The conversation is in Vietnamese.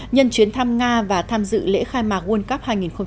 nhân chuyến thăm nga và tham dự lễ khai mạc world cup hai nghìn một mươi tám